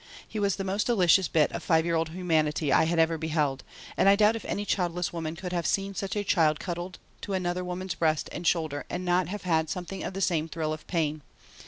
He was the most delicious bit of five year old humanity I had ever beheld and I doubt if any childless woman could have seen such a child cuddle to another woman's breast and shoulder and not have had something of the same thrill of pain.